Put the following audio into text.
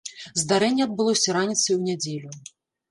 Здарэнне адбылося раніцай у нядзелю.